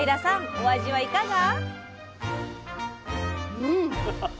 お味はいかが？